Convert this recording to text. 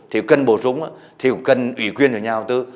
thì cần bổ sung thì cũng cần ủy quyên cho nhà đầu tư